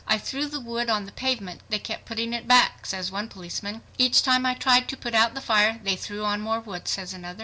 "I threw the wood on the pavement; they kept putting it back," says one policeman. "Each time I tried to put out the fire they threw on more wood," says another.